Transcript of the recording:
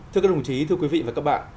thưa các đồng chí thưa quý vị và các bạn